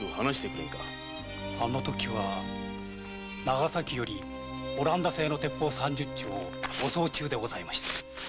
長崎よりオランダ製の鉄砲三十丁を護送中でございました。